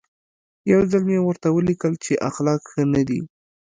یو ځل مې ورته ولیکل چې اخلاق ښه نه دي.